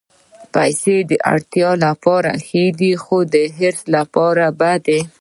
پېسې د اړتیا لپاره ښې دي، خو د حرص لپاره بدې.